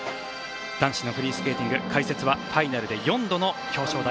男子のフリースケーティング解説はファイナルで４度の表彰台